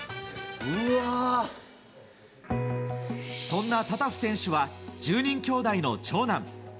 そんなタタフ選手は１０人きょうだいの長男。